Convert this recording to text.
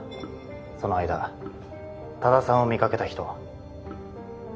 その間多田さんを見かけた人は？